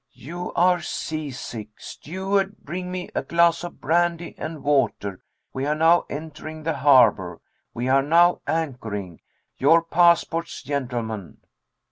'You are seasick.' 'Steward, bring me a glass of brandy and water.' 'We are now entering the harbor.' 'We are now anchoring.' 'Your passports, gentlemen.'"